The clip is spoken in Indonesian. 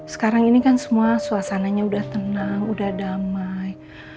sekarang ini kan semua suasananya udah tenang udah damai